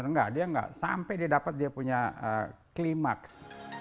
tapi enggak sampai dia dapat dia punya klimaks